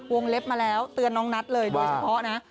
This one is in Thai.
เล็บมาแล้วเตือนน้องนัทเลยโดยเฉพาะนะ